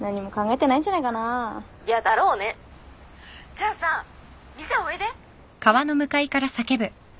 じゃあさ店おいで！えっ？